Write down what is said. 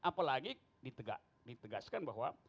apalagi ditegaskan bahwa